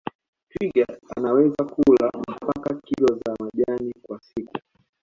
Twiga anaweza kula mpaka kilo za majani kwa siku